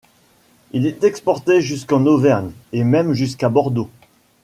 Il est exporté jusqu’en Auvergne et même jusqu’à Bordeaux.